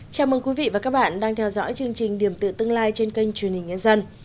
chào mừng quý vị và các bạn đang theo dõi chương trình điểm tự tương lai trên kênh truyền hình nhân dân